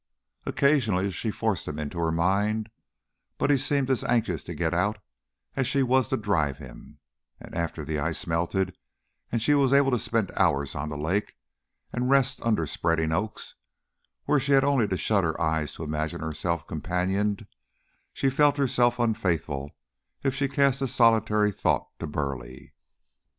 Occasionally she forced him into her mind, but he seemed as anxious to get out as she was to drive him; and after the ice melted and she was able to spend hours on the lake, and rest under spreading oaks, where she had only to shut her eyes to imagine herself companioned, she felt herself unfaithful if she cast a solitary thought to Burleigh.